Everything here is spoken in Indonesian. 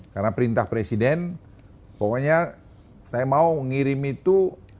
karena perintah presiden pokoknya saya mau ngirim itu